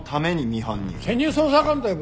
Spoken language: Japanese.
潜入捜査官だよ